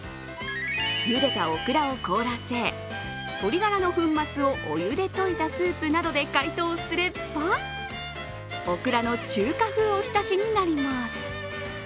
茹でたオクラを凍らせ、鶏ガラの粉末をお湯でといたスープなどで解凍すればオクラの中華風おひたしになります。